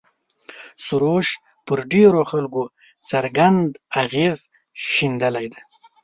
سروش پر ډېرو خلکو څرګند اغېز ښندلی دی.